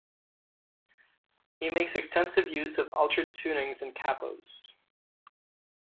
He makes extensive use of altered tunings and capos.